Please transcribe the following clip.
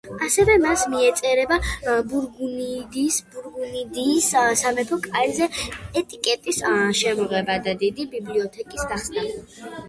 ასევე მას მიეწერება ბურგუნდიის სამეფო კარზე ეტიკეტის შემოღება და დიდი ბიბლიოთეკის გახსნა.